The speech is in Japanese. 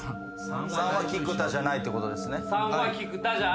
３！３は菊田じゃないってことですね？